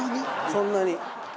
そんなに。